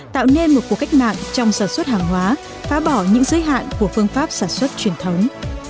tạo nên một cuộc cách mạng trong sản xuất hàng hóa phá bỏ những giới hạn của phương pháp sản xuất truyền thống